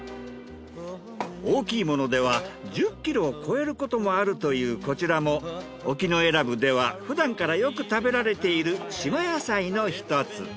大きいものでは１０ｋｇを超えることもあるというこちらも沖永良部ではふだんからよく食べられている島野菜の一つ。